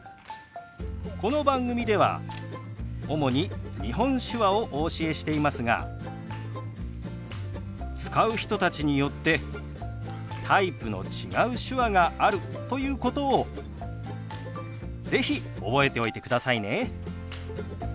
この番組では主に日本手話をお教えしていますが使う人たちによってタイプの違う手話があるということを是非覚えておいてくださいね。